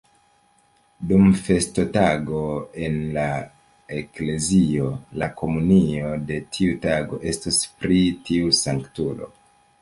Dum festotago, en la eklezio la komunio de tiu tago eston pri tiu sanktulo.